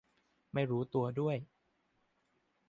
ไม่รู้ตัวด้วย